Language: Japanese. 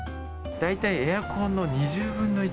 大体エアコンの２０分の１。